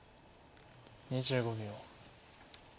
２５秒。